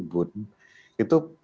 dari trik ribut